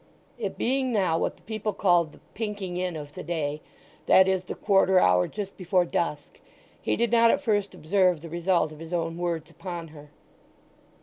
It being now what the people called the "pinking in" of the day, that is, the quarter hour just before dusk, he did not at first observe the result of his own words upon her.